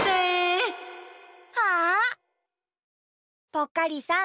ぽっかりさん